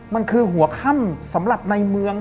มันคือหัวค่ำสำหรับในเมือง